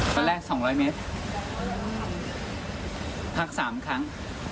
ตอนแรก๒๐๐เมตรพัก๓ครั้ง